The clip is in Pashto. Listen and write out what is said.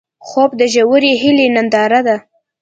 خوب د ژورې هیلې ننداره ده